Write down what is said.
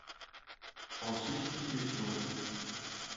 En substitution